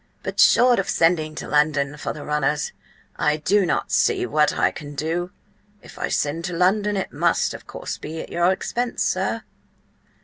"But, short of sending to London for the Runners, I do not see what I can do. If I send to London, it must, of course, be at your expense, sir."